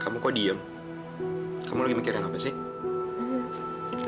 kamu kok diem kamu lagi mikirin apa sih